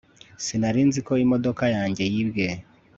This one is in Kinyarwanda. sinari nzi ko imodoka yanjye yibwe